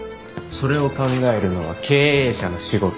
それを考えるのは経営者の仕事。